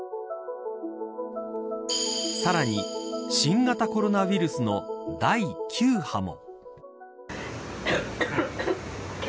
さらに新型コロナウイルスの第９波も。